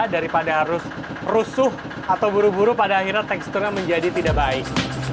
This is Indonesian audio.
daripada harus rusuh atau buru buru pada akhirnya teksturnya menjadi tidak baik